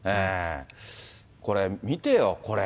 これ、見てよ、これ。